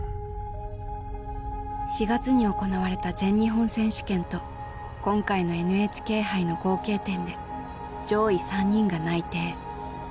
４月に行われた全日本選手権と今回のＮＨＫ杯の合計点で上位３人が内定。